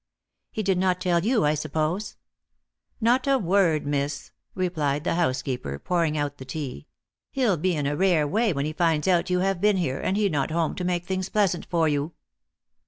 "He did not tell you, I suppose?" "Not a word, miss," replied the housekeeper, pouring out the tea. "He'll be in a rare way when he finds out you have been here, and he not at home to make things pleasant for you.